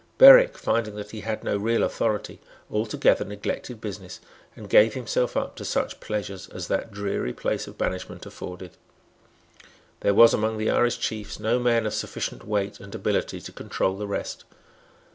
Berwick, finding that he had no real authority, altogether neglected business, and gave himself up to such pleasures as that dreary place of banishment afforded. There was among the Irish chiefs no man of sufficient weight and ability to control the rest.